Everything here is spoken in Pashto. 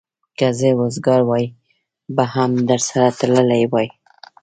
که زه وزګار وای، زه به هم درسره تللی وای.